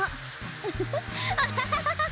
ウフフアハハハハ！